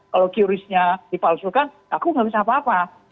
kalau qrisnya dipalsukan aku nggak bisa apa apa